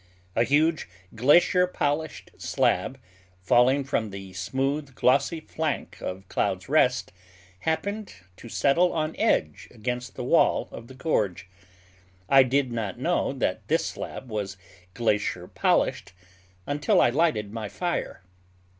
A huge, glacier polished slab, falling from the smooth, glossy flank of Cloud's Rest, happened to settle on edge against the wall of the gorge. I did not know that this slab was glacier polished until I lighted my fire.